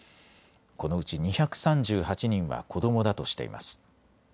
このうち２３８人は子どもだとしています。